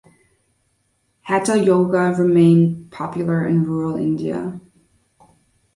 Hatha yoga remained popular in rural India.